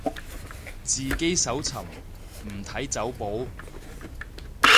自己搜尋，唔睇走寶